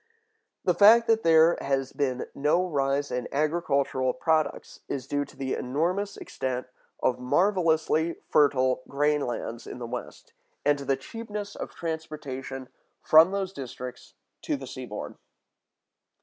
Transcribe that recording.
The fact that there has been no rise in agricultural products is due to the enormous extent of marvelously fertile grain lands in the West, and to the cheapness of transportation from those districts to the seaboard.